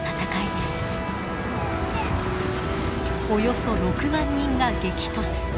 およそ６万人が激突。